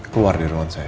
keluar dari rumah saya